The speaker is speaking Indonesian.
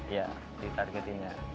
iya di targetnya